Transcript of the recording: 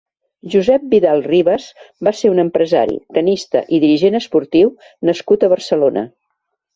Josep Vidal-Ribas va ser un empresari, tennista i dirigent esportiu nascut a Barcelona.